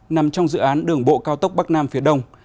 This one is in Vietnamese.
nằm trong dự án đường bộ cao tốc bắc nam phía đông